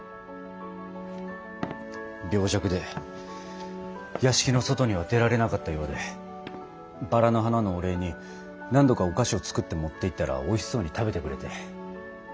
病弱で屋敷の外には出られなかったようでバラの花のお礼に何度かお菓子を作って持って行ったらおいしそうに食べてくれて。